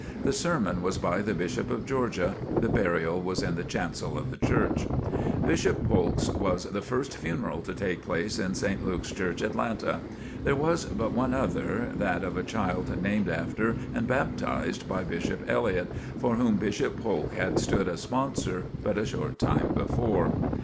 The sermon was by the Bishop of Georgia. The burial was in the chancel of the church. Bishop Polk's was the first funeral to take place in St. Luke's Church, Atlanta. There was but one other, that of a child named after and baptized by Bishop Elliott, for whom Bishop Polk had stood as sponsor but a short time before.